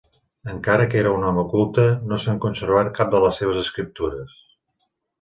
Encara que era un home culte, no s'han conservat cap de les seves escriptures.